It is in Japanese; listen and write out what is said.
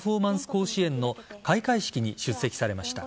甲子園の開会式に出席されました。